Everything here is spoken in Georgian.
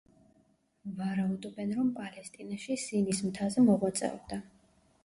ვარაუდობენ, რომ პალესტინაში, სინის მთაზე მოღვაწეობდა.